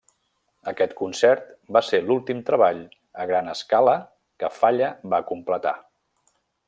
Aquest concert va ser l'últim treball a gran escala que Falla va completar.